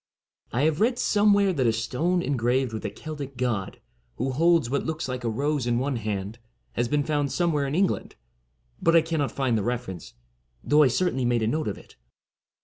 I have read somewhere that a stone engraved with a Celtic god, who holds what looks like a rose in one hand, has been found somewhere in England; but I cannot find the reference, though I certainly made a note of it.